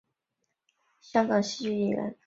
谭芷翎是香港戏剧演员。